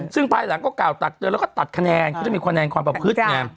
ซึ่งภายหลังก็กล่าวตักเตือนแล้วก็ตัดคะแนนเขาจะมีคะแนนความประพฤติไง